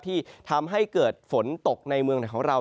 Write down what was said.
ที่ทำให้เกิดฝนตกในเมืองไหนของเรา